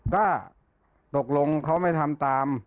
ก็ตกลงเขาไม่ทำตาม